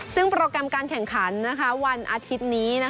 ซึ่งโปรแกรมการแข่งขันวันอาทิตย์นี้